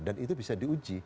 dan itu bisa diuji